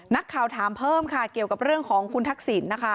นักข่าวถามเพิ่มค่ะเกี่ยวกับเรื่องของคุณทักษิณนะคะ